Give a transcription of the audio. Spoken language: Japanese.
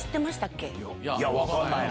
分かんないな。